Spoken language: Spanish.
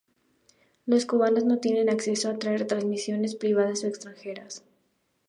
Los cubanos no tienen acceso a retransmisiones privadas o extranjeras.